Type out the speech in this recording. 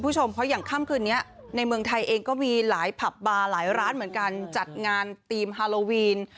คุณผู้ชมเพราะอย่างค่ำคืนนี้ในเมืองไทยเองก็มีหลายผับบาร์หลายร้านเหมือนกันจัดงานทีมฮาโลวีน